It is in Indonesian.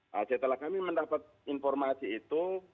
nah setelah kami mendapat informasi itu